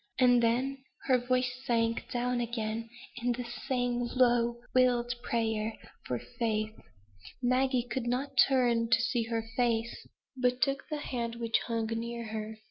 And then her voice sank down again in the same low, wild prayer for faith. Maggie could not turn to see her face, but took the hand which hung near her.